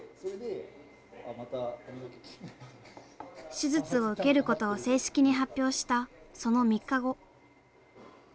手術を受けることを正式に発表したその３日後。